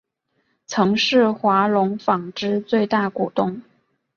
曾是华隆纺织最大股东。